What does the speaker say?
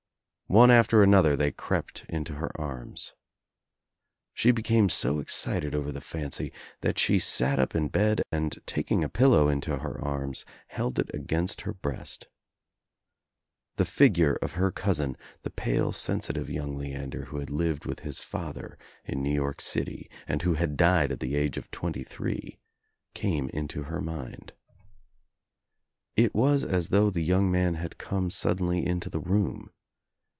One after another they crept into her arms. She became so excited over the fancy that she sat up in bed and taking a pillow into her arms held It against her breast. The figure of her cousin, the pale sensi tive young Leander who had lived with his father in THE NEW ENGLANDER H 147 rNcw York City and who had died at the age of twenty three, came into her mind. It was as though the young man had come suddenly into the room.